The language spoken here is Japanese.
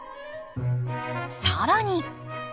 更に。